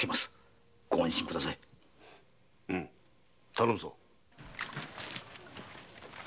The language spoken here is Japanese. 頼むぞ。